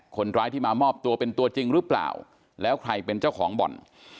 คนร้ายที่มามอบตัวเป็นตัวจริงหรือเปล่าแล้วใครเป็นเจ้าของบ่อน